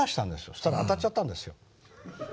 そしたら当たっちゃったんですよ。